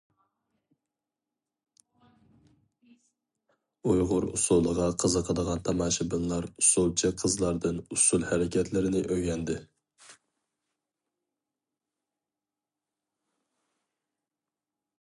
ئۇيغۇر ئۇسسۇلىغا قىزىقىدىغان تاماشىبىنلار ئۇسسۇلچى قىزلاردىن ئۇسسۇل ھەرىكەتلىرىنى ئۆگەندى.